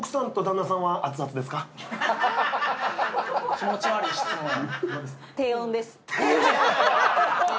気持ち悪い質問や。